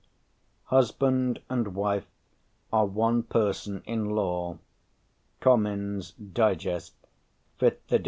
"Husband and wife are one person in law" (Comyn's Digest, 5th ed.